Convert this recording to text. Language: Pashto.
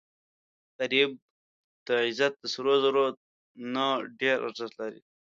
غریب ته عزت د سرو زرو نه ډېر ارزښت لري